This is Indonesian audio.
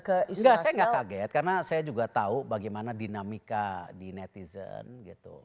enggak saya nggak kaget karena saya juga tahu bagaimana dinamika di netizen gitu